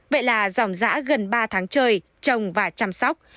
vậy là dòng giã gần ba tháng trời trồng và chăm sóc